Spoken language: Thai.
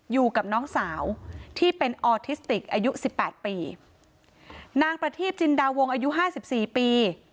อยู่กับน้องสาวที่เป็นออทิสติกอายุสิบแปดปีนางประทีปจินดาวงอายุห้าสิบสี่ปี